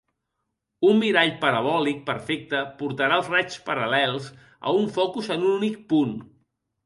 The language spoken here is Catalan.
Un mirall parabòlic perfecte portarà els raigs paral·lels a un focus en un únic punt.